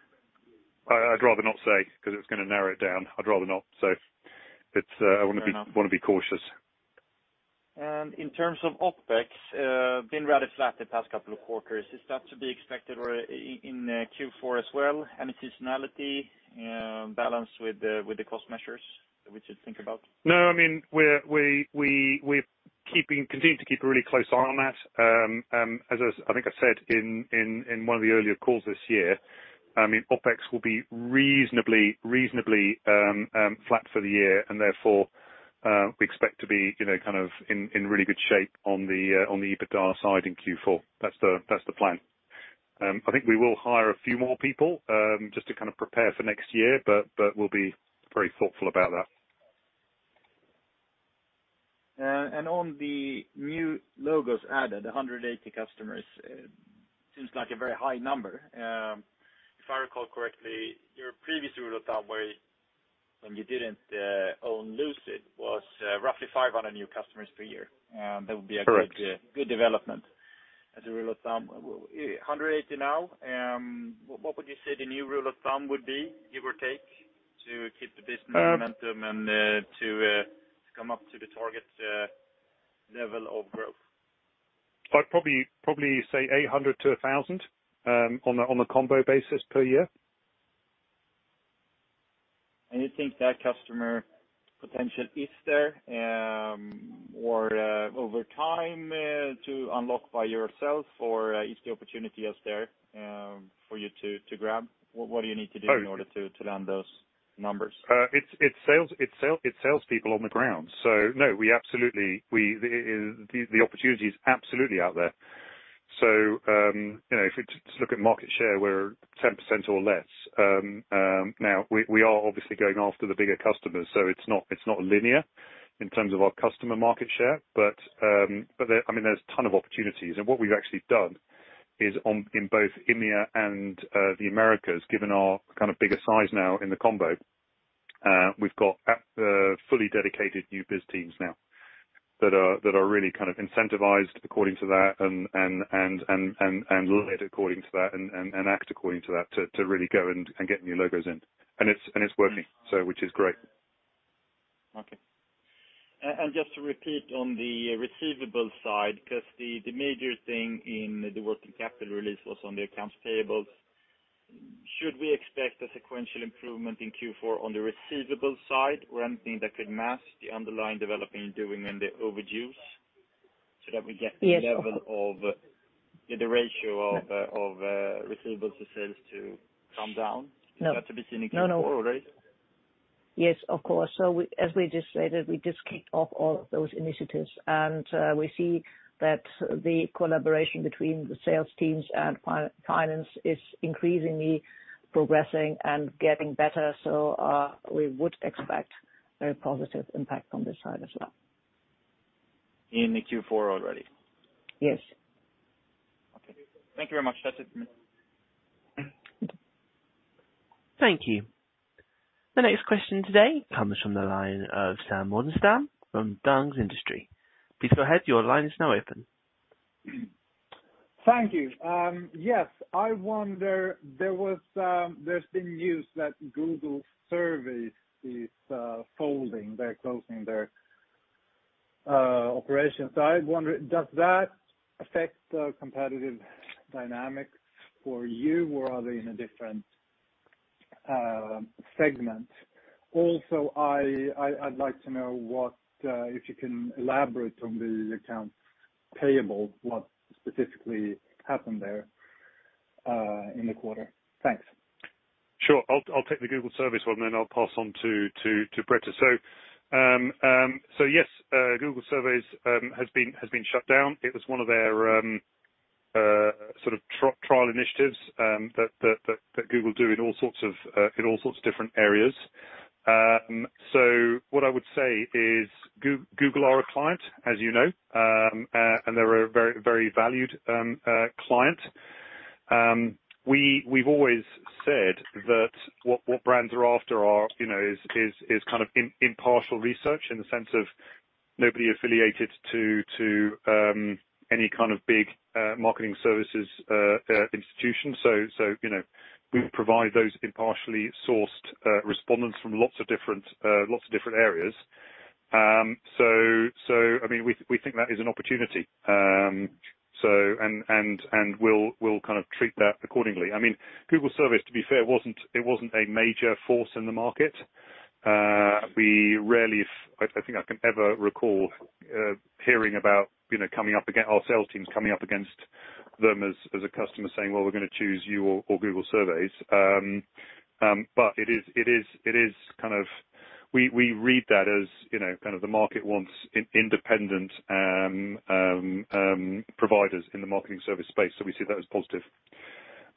I'd rather not say, 'cause it's gonna narrow it down. I'd rather not. It's Fair enough. I wanna be cautious. In terms of OpEx, been rather flat the past couple of quarters. Is that to be expected or in Q4 as well? Any seasonality balanced with the cost measures that we should think about? No. I mean, we're continuing to keep a really close eye on that. As I think I said in one of the earlier calls this year, OpEx will be reasonably flat for the year and therefore we expect to be, you know, kind of in really good shape on the EBITDA side in Q4. That's the plan. I think we will hire a few more people just to kind of prepare for next year, but we'll be very thoughtful about that. On the new logos added, 180 customers seems like a very high number. If I recall correctly, your previous rule of thumb, where when you didn't own Lucid, was roughly 500 new customers per year. That would be a good- Correct. Good development. As a rule of thumb, 180 now. What would you say the new rule of thumb would be, give or take, to keep the business momentum? Um- To come up to the target level of growth? I'd probably say 800-1,000 on the combo basis per year. You think that customer potential is there, or over time to unlock by yourself? Or is the opportunity there for you to grab? What do you need to do- Oh- in order to land those numbers? It's salespeople on the ground. So, no, we absolutely. The opportunity is absolutely out there. So, you know, if you just look at market share, we're 10% or less. Now we are obviously going after the bigger customers, so it's not linear in terms of our customer market share. But there I mean, there's a ton of opportunities. What we've actually done is, in both EMEA and the Americas, given our kind of bigger size now in the combo, we've got fully dedicated new biz teams now that are really kind of incentivized according to that and led according to that and act according to that, to really go and get new logos in. It's working, so which is great. Okay. Just to repeat on the receivable side, because the major thing in the working capital release was on the accounts payable. Should we expect a sequential improvement in Q4 on the receivable side? Or anything that could mask the underlying development in the overdues so that we get Yes the level of the ratio of receivables to sales to come down? No. Is that to be seen in Q4 already? No, no. Yes, of course. As we just stated, we just kicked off all of those initiatives. We see that the collaboration between the sales teams and finance is increasingly progressing and getting better. We would expect a very positive impact from this side as well. In the Q4 already? Yes. Okay. Thank you very much. That's it for me. Thank you. The next question today comes from the line of Sam Morgenstern from Danes Industry. Please go ahead. Your line is now open. Thank you. Yes. I wonder, there was, there's been news that Google Surveys is folding. They're closing their operations. I wonder, does that affect the competitive dynamics for you, or are they in a different segment? Also, I'd like to know what, if you can elaborate on the accounts payable, what specifically happened there, in the quarter? Thanks. Sure. I'll take the Google Surveys one, and then I'll pass on to Britta. Yes, Google Surveys has been shut down. It was one of their sort of trial initiatives that Google do in all sorts of different areas. What I would say is Google are a client, as you know, and they're a very valued client. We've always said that what brands are after are, you know, is kind of impartial research in the sense of nobody affiliated to any kind of big marketing services institution. You know, we provide those impartially sourced respondents from lots of different areas. I mean, we think that is an opportunity. We'll kind of treat that accordingly. I mean, Google Surveys, to be fair, wasn't. It wasn't a major force in the market. We rarely. I think I can ever recall hearing about, you know, our sales teams coming up against them as a customer saying, "Well, we're gonna choose you or Google Surveys." It is kind of. We read that as, you know, kind of the market wants independent providers in the marketing service space, so we see that as positive.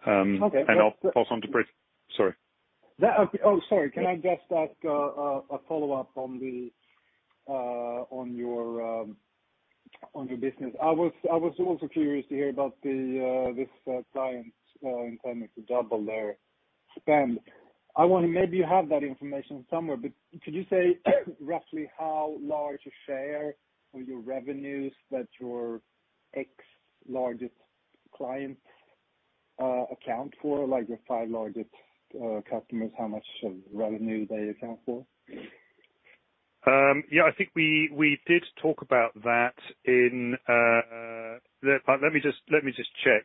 Okay. I'll pass on to Britta. Sorry. That's okay. Oh, sorry. Can I just ask a follow-up on your business? I was also curious to hear about this client intending to double their spend. I wonder, maybe you have that information somewhere, but could you say roughly how large a share of your revenues that your X-largest clients account for, like your five largest customers, how much of revenue they account for? Yeah, I think we did talk about that in, let me just check,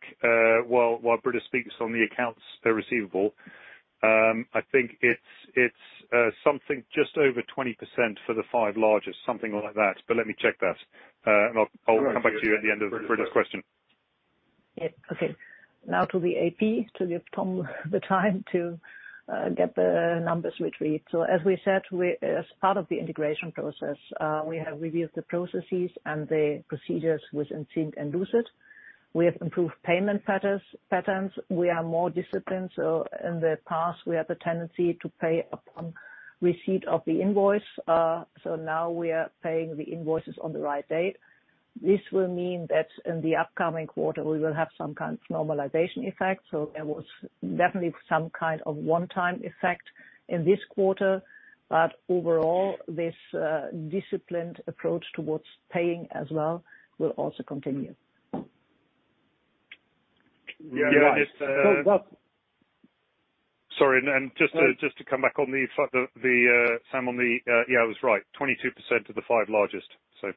while Britta speaks on the accounts receivable. I think it's something just over 20% for the five largest, something like that. But let me check that. I'll come back to you at the end of Britta's question. Yeah. Okay. Now to the AP, to give Tom the time to get the numbers retrieved. As we said, as part of the integration process, we have reviewed the processes and the procedures with Cint and Lucid. We have improved payment patterns. We are more disciplined. In the past, we had the tendency to pay upon receipt of the invoice. Now we are paying the invoices on the right date. This will mean that in the upcoming quarter we will have some kind of normalization effect. There was definitely some kind of one-time effect in this quarter. Overall, this disciplined approach towards paying as well will also continue. Yeah. It's... So that's- Sorry. Just to come back on Sam. Yeah, I was right. 22% of the five largest. So.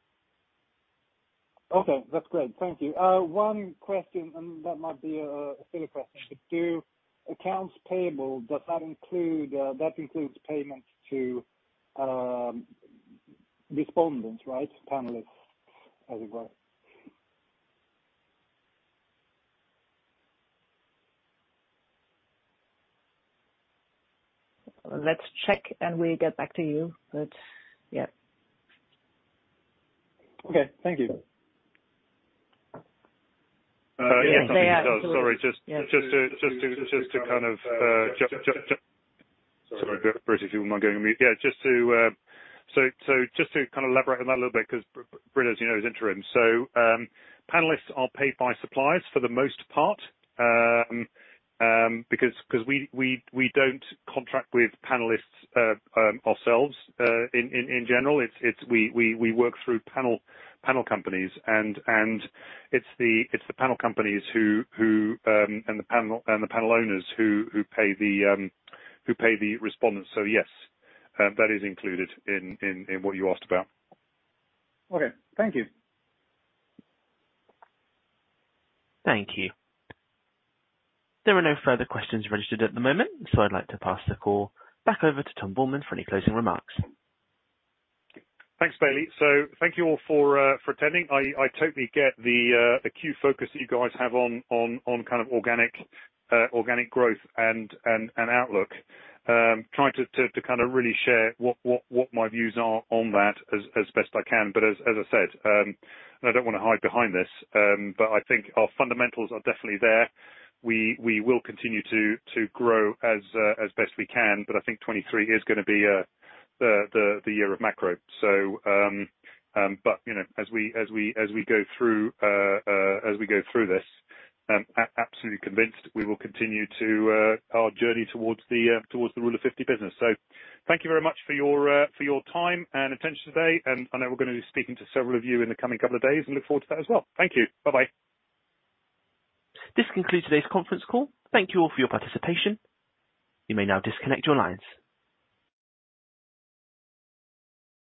Okay, that's great. Thank you. One question, and that might be a silly question. Do accounts payable, does that include, that includes payments to, respondents, right? Panelists, as it were. Let's check, and we get back to you. Yeah. Okay. Thank you. Yeah. Yeah, absolutely. Sorry, Brit, if you wouldn't mind going on mute. Yeah, just to kind of elaborate on that a little bit, 'cause Brit, as you know, is interim. Panelists are paid by suppliers for the most part, because we don't contract with panelists ourselves. In general, it's. We work through panel companies. It's the panel companies who, and the panel owners who pay the respondents. Yes, that is included in what you asked about. Okay. Thank you. Thank you. There are no further questions registered at the moment, so I'd like to pass the call back over to Tom Buehlmann for any closing remarks. Thanks, Bailey. Thank you all for attending. I totally get the acute focus that you guys have on kind of organic growth and outlook. Trying to kind of really share what my views are on that as best I can. As I said, and I don't wanna hide behind this, but I think our fundamentals are definitely there. We will continue to grow as best we can, but I think 2023 is gonna be the year of macro. You know, as we go through this, absolutely convinced we will continue to our journey towards the Rule of 50 business. Thank you very much for your time and attention today. I know we're gonna be speaking to several of you in the coming couple of days. I look forward to that as well. Thank you. Bye-bye. This concludes today's conference call. Thank you all for your participation. You may now disconnect your lines.